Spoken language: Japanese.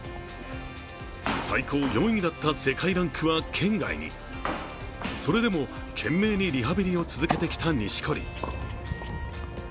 最高４位だった世界ランクは圏外にそれでも、懸命にリハビリを続けてきた錦織。